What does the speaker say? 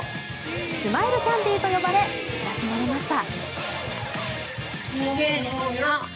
スマイルキャンディーと呼ばれ親しまれました。